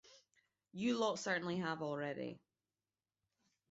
You lot certainly have already.